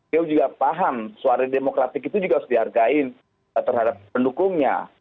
dia juga paham suara demokratik itu juga harus dihargai terhadap pendukungnya